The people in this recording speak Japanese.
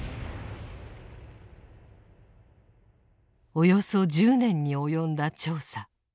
およそ１０年に及んだ調査。